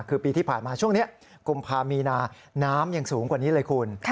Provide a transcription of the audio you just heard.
คือปีที่ผ่านมาช่วงนี้กุมภามีนาน้ำยังสูงกว่านี้เลยคุณ